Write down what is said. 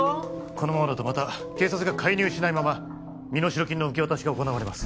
このままだとまた警察が介入しないまま身代金の受け渡しが行われます